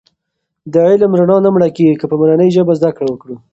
د علم د رڼا نه مړکېږو که په مورنۍ ژبه زده کړه وکړو.